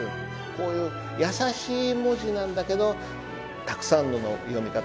こういう易しい文字なんだけどたくさんの読み方がある。